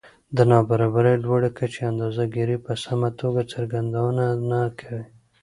د نابرابرۍ لوړې کچې اندازه ګيرۍ په سمه توګه څرګندونه نه کوي